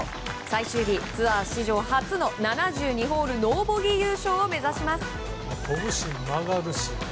最終日ツアー史上初の７２ホールノーボギー優勝を目指します！